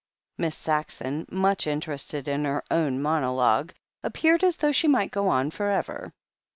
Miss Saxon, much interested in her own monologue, appeared as though she might go on for ever.